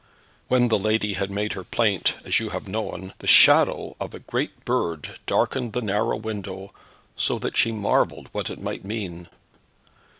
When the lady had made her plaint, as you have known, the shadow of a great bird darkened the narrow window, so that she marvelled what it might mean.